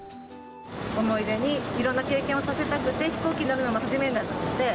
思い出に、いろんな経験をさせたくて、飛行機乗るのも初めてなので。